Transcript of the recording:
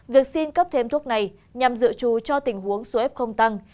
việc xin cấp thêm thuốc này nhằm dự trù cho tình huống số f tăng